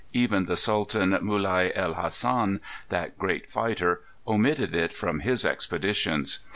Even the Sultan Mulai el Hassen, that great fighter, omitted it from his expeditions.